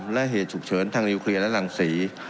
และเหตุฉุกเฉินทางนิวเคลียร์และรังศรี